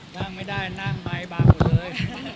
นั่งไม่ได้นั่งไว้บ้างหมดเลย